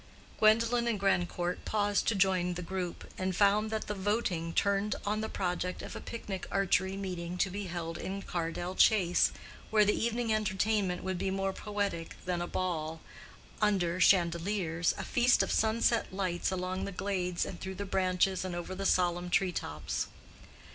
Gwendolen and Grandcourt paused to join the group, and found that the voting turned on the project of a picnic archery meeting to be held in Cardell Chase, where the evening entertainment would be more poetic than a ball under chandeliers—a feast of sunset lights along the glades and through the branches and over the solemn tree tops.